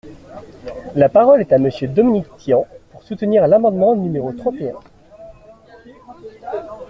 La parole est à Monsieur Dominique Tian, pour soutenir l’amendement numéro trente et un.